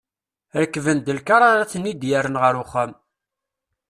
Rekben-d lkar ara ten-d-yerren ɣer uxxam.